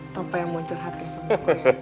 papa yang mau curhat ya sama kamu